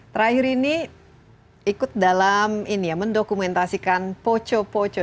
terakhir ini ikut dalam mendokumentasikan poco poco